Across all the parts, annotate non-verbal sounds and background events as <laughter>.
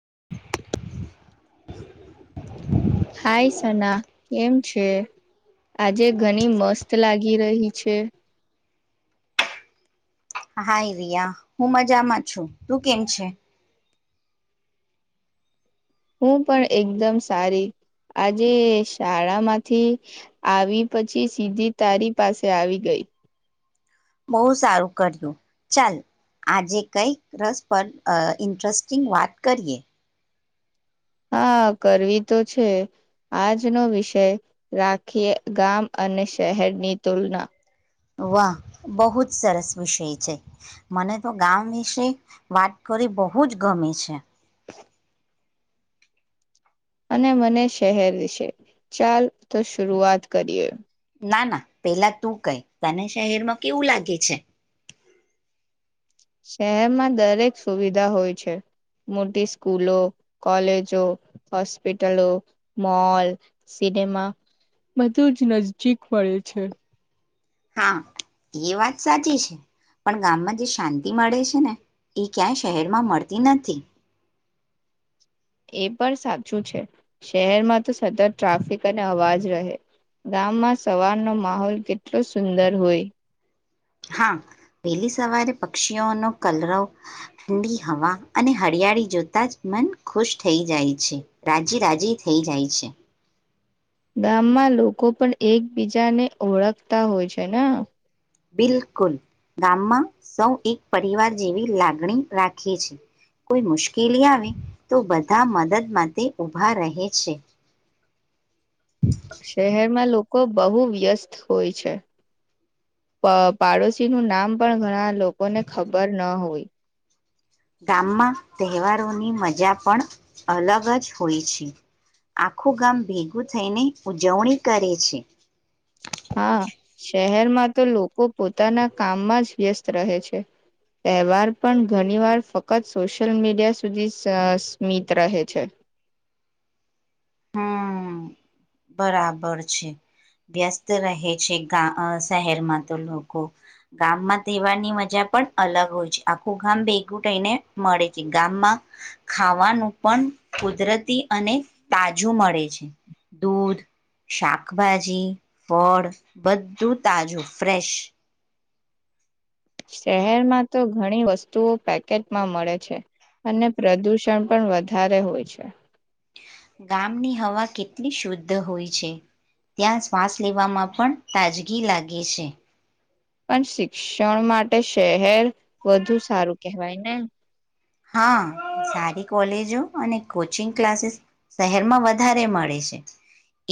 <inaudible> હાય સના કેમ છે? આજે ઘણી મસ્ત લાગી રહી છે. હાઈ રિયા હું મજામાં છું તું કેમ છે? હું પણ એકદમ સારી, આજે શાળામાંથી આવી પછી સીધી તારી પાસે આવી ગઈ. બહુ સારું કર્યું, ચાલ આજે કઈક રસ પર ઇન્ટરેસ્ટિંગ વાત કરીએ. હા કરવી તો છે, આજનો વિષય રાખીએ ગામ અને શહેરની તુલના. વાહ બહુ જ સરસ વિષય છે, મને તો ગામ વિશે વાત કરી બહુ જ ગમે છે. અને મને શહેર છે, ચાલ તો શરૂઆત કરીએ. ના ના, પેલા તું કઈ તને શહેરમાં કેવું લાગે છે? શહેરમાં દરેક સુવિધા હોય છે, મોટી સ્કૂલો, કોલેજો, હોસ્પિટલો, મોલ સિનેમા બધું જ નજીજીક મળે છે. હા એ વાત સાચી છે, પણ ગામમાં જે શાંતિ મળે છે ને, એ ક્યાંય શહેરમાં મળતી નથી. એ પણ સાચું છે, શહેરમાં તો સતત ટ્રાફિક અને અવાજ રહે, ગામમાં સવારનો માહોલ કેટલો સુંદર હોય. હા, વહેલી સવારે પક્ષીઓનો કલરવ, ઠંડી હવા અને હરિયાળી જોતા જ મન ખુશ થઈ જાય છે, રાજી રાજી થઈ જાય છે. ગામમાં લોકો પણ એકબીજાને ઓળખતા હોય છે ને. બિલકુલ, ગામમાં સૌ એક પરિવાર જેવી લાગણી રાખે છે, કોઈ મુશ્કેલી આવે તો બધા મદદ માટે ઊભા રહે છે. શહેરમાં લોકો લોકો બહુ વ્યસ્ત હોય છે, પાડોશી નું નામ પણ ઘણા લોકોને ખબર ન હોય. ગામમાં તહેવારોની મજા પણ અલગ જ હોય છે, આખું ગામ ભેગું થઈને ઉજવણી કરે છે. હા, શહેરમાં તો લોકો પોતાના કામમાં જ વ્યસ્ત રહે છે, તહેવાર પણ ઘણી વાર ફક્ત સોશિયલ મીડિયા સુધી સ્મિત રહે છે. હમ બરાબર છે વ્યસ્ત રહે છે, શહેરમાં તો લોકો, ગામમાં તહેવારની મજા પણ અલગ હોય છે આખું ગામ ભેગું થઈને મળે છે ગામમાં, ખાવાનું પણ કુદરતી અને તાજું મળે છે, દૂધ, શાકભાજી, ફળ બધું તાજું ફ્રેશ. શહેરમાં તો ઘણી વસ્તુઓ પેકેટમાં મળે છે, અને પ્રદૂષણ પણ વધારે હોય છે. ગામની હવા કેટલી શુદ્ધ હોય છે, ત્યાં શ્વાસ લેવામાં પણ તાજગી લાગે છે. પણ શિક્ષણ માટે શહેર વધુ સારું કેહેવાય ને. હા સારી કોલેજો અને કોચિંગ ક્લાસીસ શહેરમાં વધારે મળે છે,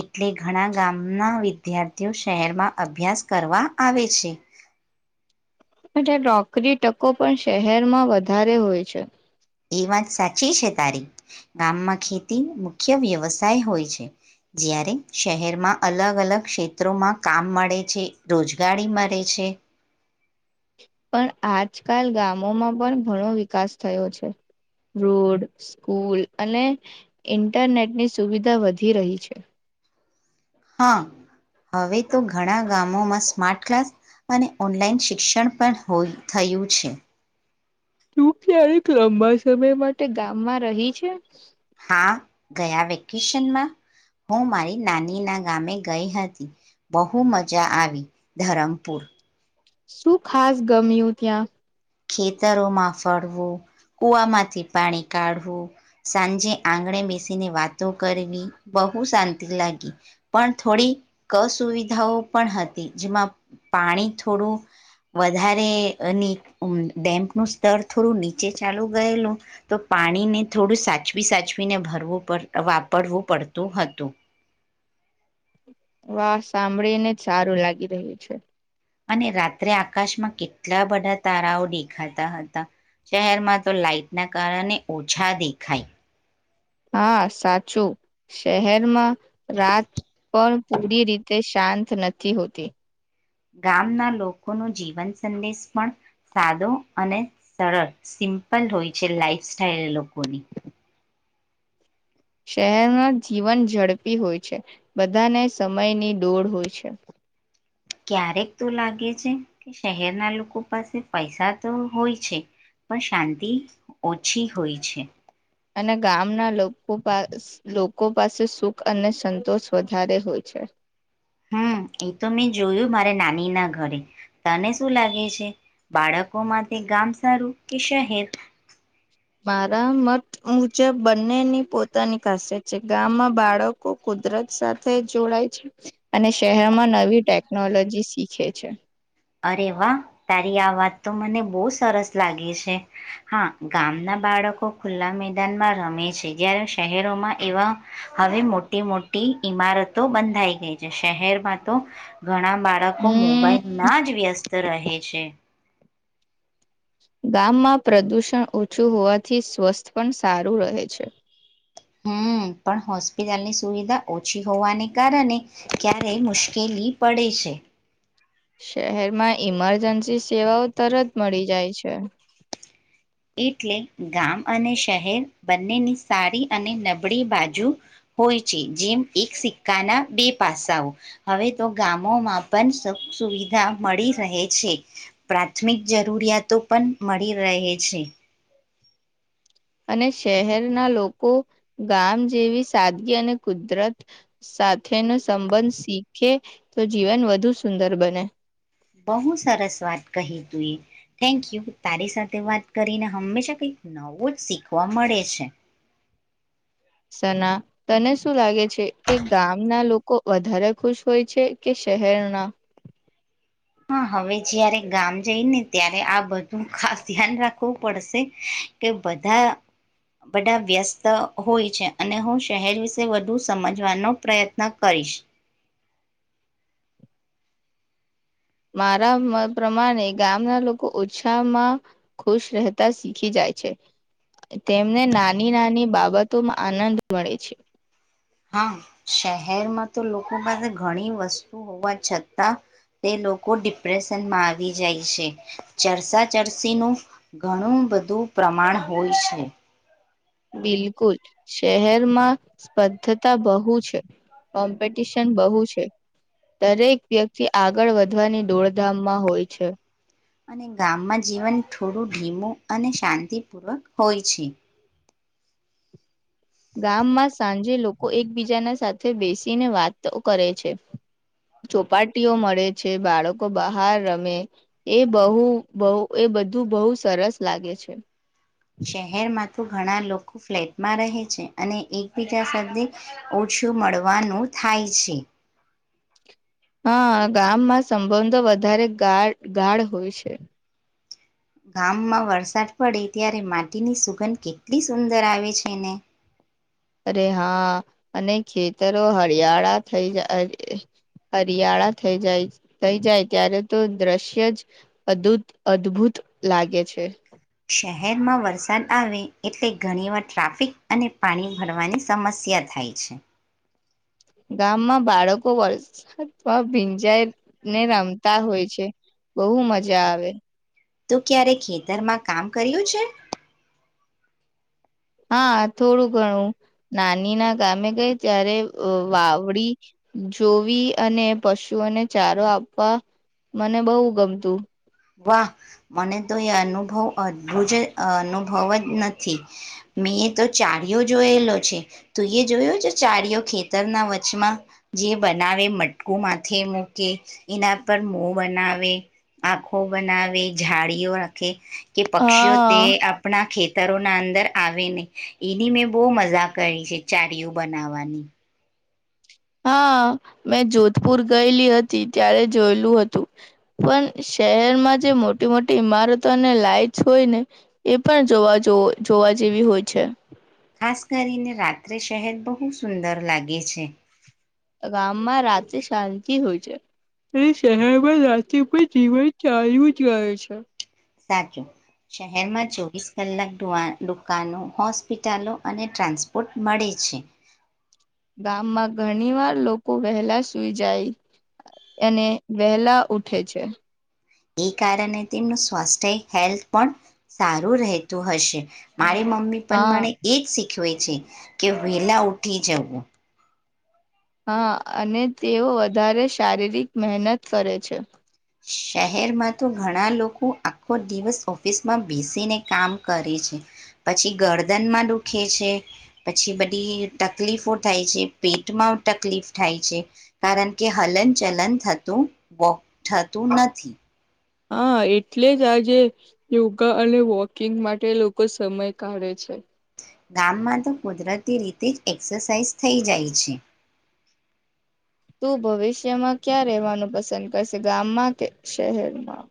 એટલે ઘણા ગામના વિદ્યાર્થીઓ શહેરમાં અભ્યાસ કરવા આવે છે. જો નોકરી ટકો પણ શહેરમાં વધારે હોય છે. એ વાત સાચી છે તારી ગામમાં ખેતી મુખ્ય વ્યવસાય હોય છે. જ્યારે શહેરમાં અલગ અલગ ક્ષેત્રોમાં કામ મળે છે, રોજગારી મળે છે. પણ આજકાલ ગામોમાં પણ ઘણો વિકાસ થયો છે રોડ સ્કૂલ અને ઇન્ટરનેટની સુવિધા વધી રહી છે. હા, હવે તો ઘણા ગામોમાં સ્માર્ટ ક્લાસ અને ઓનલાઈન શિક્ષણ પણય થયું છે. તું ક્યારેક લાંબા સમય માટે ગામમાં રહી છે? હા ગયા વેકેશનમાં હું મારી નાની ના ગામે ગઈ હતી બહુ મજા આવી. ધરમપુર શું ખાસ ગમ્યું ત્યાં? ખેતરોમાં ફરવું, કુવામાંથી પાણી કાઢવું, સાંજે આંગણે બેસીને વાતો કરવી બહુ શાંતિ લાગી. પણ થોડી કસુવિધાઓ પણ હતી, જેમાં પાણી થોડું વધારેની ડેમનું સ્તર થોડું નીચે ચાલુ ગયેલું તો પાણીને થોડું સાચવી સાચવીને ભરવું પડ વાપરવું પડતું હતું. વાહ સાંભળી ને જ સારું લાગી રહ્યું છે. અને રાત્રે આકાશમાં કેટલા બધા તારાઓ દેખાતા હતા. શહેરમાં તો લાાઈટના કારણે ઓછા દેખાય. હા સાચું. શહેરમાં રાત પણ પૂરી રીતે શાંત નથી હોતી. ગામના લોકોનો જીવન સંદેશ પણ સાદો અને સરળ સિમ્પલ હોય છે, લાઈફ સ્ટાઈલ લોકોની. શહેરના જીવન ઝડપી હોય છે, બધાને સમયની ડોડ હોય છે. ક્યારેક તો લાગે છે કે શહેરના લોકો પાસે પૈસા તો હોય છે, પણ શાંતિ ઓછી હોય છે. અને ગામના લોકો લોકો પાસે સુખ અને સંતોષ વધારે હોય છે. હમ એ તો મેં જોયું મારે નાની ના ઘરે તને શું લાગે છે. બાળકો માટે ગામ સારું કે શહેર? મારા મત મુજબ બંનેની પોતાની ખાસિયત છે ગામમાં બાળકો કુદરત સાથે જોડાય છે અને શહેરમાં નવી ટેકનોલોજી શીખે છે. અરે વાહ તારી આ વાત તો મને બહુ સરસ લાગે છે હા ગામના બાળકો ખુલ્લા મેદાનમાં રમે છે, જયારે શહેરોમાં એવા હવે મોટી મોટી ઈમારતો બંધાઈ ગઈ છે શહેરમાં તો ઘણા બાળકો હમ મોબાઈલ વ્યસ્ત રહે છે. ગામમાં પ્રદૂષણ ઓછું હોવાથી સ્વસ્થ પણ સારું રહે છે. હમ પણ હોસ્પિટલની સુવિધા ઓછી હોવાને કારણે ક્યારે મુશ્કેલી પડે છે. શહેરમાં ઈમરજન્સી સેવાઓ તરત મળી જાય છે. એટલે ગામ અને શહેર બંનેની સારી અને નબળી બાજુ હોય છે, જેમ એક સિક્કાના બે પાસાઓ હવે તો ગામોમાં પણ સુખ સુવિધા મળી રહે છે, પ્રાથમિક જરૂરિયાતો પણ મળી રહે છે. છે અને શહેરના લોકો ગામ જેવી સાદગી અને કુદરત સાથેનો સંબંધ શીખે તો જીવન વધુ સુંદર બને. બહુ સરસ વાત કહી તું એ થેન્ક યુ. તારી સાથે વાત કરીને હંમેશા કંઈક નવો જ શીખવા મળે છે. સના તને શું લાગે છે કે ગામના લોકો વધારે ખુશ હોય છે કે શહેરના? હા હવે જયારે ગામ જઈ ને ત્યારે આ બધું ખાસ ધ્યાન રાખવું પડશે કે બધા બધા વ્યસ્ત હોય છે, અને હું શહેર વિશે વધુ સમજવાનો પ્રયત્ન કરીશ. મારા મત પ્રમાણે ગામના લોકો ઓછહમાં ખુશ રહેતા શીખી જાય છે, તેમને નાની નાની બાબતોમાં આનંદ મળે છે. હા શહેરમાં તો લોકો પાસે ઘણી વસ્તુ હોવા છતાં તે લોકો ડિપ્રેશનમાં આવી જાય છે. ચરસા ચરસીનું ઘણું બધું પ્રમાણ હોય છે. બિલકુલ શહેરમાં સ્પધતા બહુ છે, કોમ્પિટિશન બહુ છે દરેક વ્યક્તિ આગળ વધવાની દોડધામમાં હોય છે. અને ગામમાં જીવન થોડું ધીમું અને શાંતિપૂર્વક હોય છે. ગામમાં સાંજે લોકો એકબીજાના સાથે બેસીને વાતો કરે છે. ચોપાટીઓ મળે છે બાળકો બહાર રમે એ બહુ બહ એ બધું બહુ સરસ લાગે છે. શહેરમાં તો તો ઘણા લોકો ફ્લેટમાં રહે છે અને એકબીજા સાથે ઓછું મળવાનું થાય છે. હા ગામમાં સંબંધો વધારે ગ ગાઢ હોય છે. ગામમાં વરસાદ પડે ત્યારે માટીની સુગંધ કેટલી સુંદર આવે છે ને. અરે હા અને ખેતરો હરિયાળા થઈ જાય, હરિયાળા થઈ જાય થઈ જાય ત્યારે તો દ્રશ્ય જ અદુત, અદભુત લાગે છે. શહેરમાં વરસાદ આવે એટલે ઘણીવાર ટ્રાફિક અને પાણી ભરવાની સમસ્યા થાય છે. ગામમાં બાળકો વરસાદમાં ભીંજાઈને રમતા હોય છે. બહુ મજા આવે. તું ક્યારે ખેતરમાં કામ કર્યું છે? હા થોડું ઘણું નાની ના ગામે ગઈ ત્યારે વાવડી જોવી અને પશુઓને ચારો આપવા મને બહુ ગમતું. વાહ મને તો એ અનુભવ અદભુત અનુભવ જ નથી મેં તો ચારિયો જોયેલો છે. તું એ જોયો છે? ચારયો ખેતરના વચમાં જે બનાવે મટકું માથે મૂકે એના પર મો બનાવે આખ હુ બનાવી ઝાડીઓ રખે. કે પક્ષીઓ તે હા આપણા ખેત તરો ના અંદર આવે ને એની મેં બહુ મજા કરી છે ચારિયું બનાવાની. હા મેં જોધપુર ગયેલી હતી ત્યારે જોયેલું હતું પણ શહેરમાં જે મોટી મોટી ઈમારતો અને લાઈટસ હોય ને એ પણ જોવા જોવા જેવી હોય છે. ખાસ કરીને રાત્રે શહેદ બહુ સુંદર લાગે છે. ગામમાં રાત્રે શાંતિ હોય છે શહેરમાં રાત્ર પણ જીવન ચાલુંય રહે છે. સાચું શહેરમાં ચોવીસ કલાક દુવા દુકાનો હોસ્પિટલો અને ટ્રાન્સપોર્ટ મળે છે. ગામમાં ઘણી વાર લોકો વહેલા સુઈ જાય અને વહેલા ઉઠે છે. એ કારણે તેમનું સ્વાસ્થ્ય હેલ્થ પણ સારું રહેતું હશે. મારી મમ્મી પણ હા મને એજ શીખ ખૂવે છે કે વેલા ઉઠી જવું. હા અને તેઓ વધારે શારીરિક મહેનત કરે છે. શહેરમાં તો ઘણા લોકો આખો દિવસ ઓફિસમાં બેસીને કામ કરે છે. પછી ગરદનમાં દુખે છે, પછી બધી તકલીફો થાય છે પેટમાં તકલીફ થાય છે કારણ કે હલન ચલન થતું વોક થતું નથી. હા એટલે જ આજે યોગા અને વોકિંગ માટે લોકો સમય કાઢે છે. ગામમાં તો કુદરતી રીતે જ એક્સરસાાઈઝ થઈ જાય છે. તું ભવિષ્યમાં ક્યાં રહેવાનું પસંદ કરશે ગામમાં કે શહેરમાં?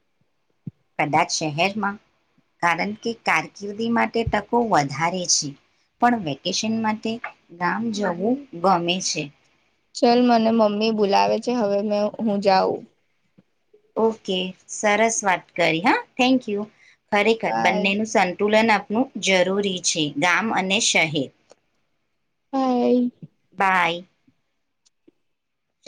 કદાચ શહેરમાં કારણ કે કારકિર્દી માટે તકો વધારે છે પણ વેકેશન માટે ગામ જવું ગમે છે. ચલ મને મમ્મી બોલાવે છે હવે મે હું જાઉં. ઓકે સરસ વાત કરી હા થેન્ક યુ. ખરેખર બાય બંને નું સંતુલન આપ નું જરૂરી છે ગામ અને શહેર બાય. બાય.